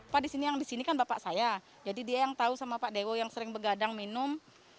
pak di sini yang di sini kan bapak saya jadi dia yang tahu sama pak dewo yang sering begadang minum